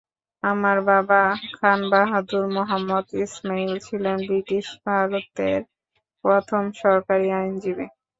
আমার বাবা খান বাহাদুর মোহাম্মদ ইসমাইল ছিলেন ব্রিটিশ ভারতের প্রথম সরকারি আইনজীবী।